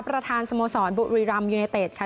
ประธานสโมสรบุรีรำยูเนเต็ดค่ะ